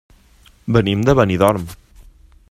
Venim de Benidorm.